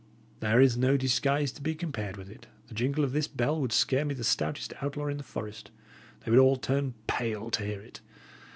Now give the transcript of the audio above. There is no disguise to be compared with it; the jingle of this bell would scare me the stoutest outlaw in the forest; they would all turn pale to hear it.